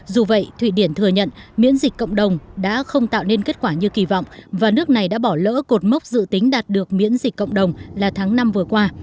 dù vậy thụy điển thừa nhận miễn dịch cộng đồng đã không tạo nên kết quả như kỳ vọng và nước này đã bỏ lỡ cột mốc dự tính đạt được miễn dịch cộng đồng là tháng năm vừa qua